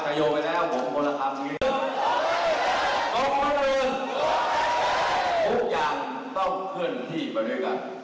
กระโยไปแล้วเพิ่มคนละครับพวกอย่างต้องเคลื่อนที่ไปด้วยกัน